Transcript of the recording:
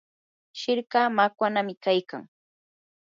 shikra makwanami kaykan.